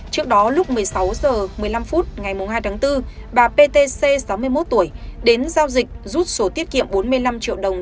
trước đó lúc một mươi sáu h một mươi năm phút ngày hai tháng bốn bà ptc sáu mươi một tuổi đến giao dịch rút số tiết kiệm bốn mươi năm triệu đồng